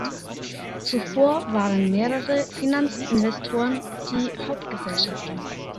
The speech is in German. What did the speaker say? Zuvor waren mehrere Finanzinvestoren die Hauptgesellschafter.